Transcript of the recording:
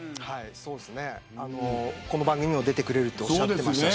そうですね、この番組にも出てくれるとおっしゃっていましたし。